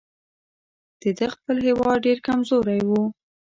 د ده خپل هیواد ډېر کمزوری وو.